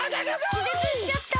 きぜつしちゃった。